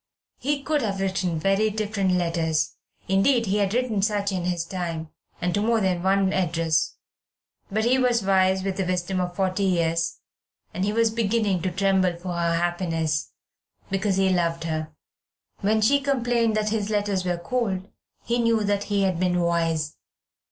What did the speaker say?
He could have written very different letters indeed, he had written such in his time, and to more than one address; but he was wise with the wisdom of forty years, and he was beginning to tremble for her happiness, because he loved her. When she complained that his letters were cold he knew that he had been wise.